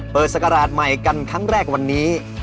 ศักราชใหม่กันครั้งแรกวันนี้